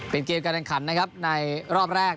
เป็นเกมการแข่งขันนะครับในรอบแรก